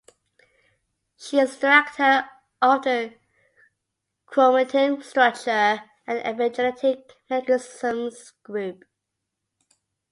She is director of the chromatin structure and epigenetic mechanisms group.